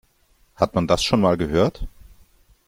Hat man das schon mal gehört?